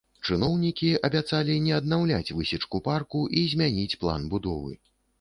Чыноўнікі абяцалі не аднаўляць высечку парку і змяніць план будовы.